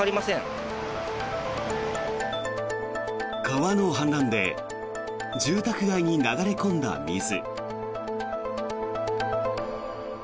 川の氾濫で住宅街に流れ込んだ水。